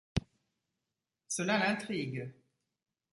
Cela l’intrigue.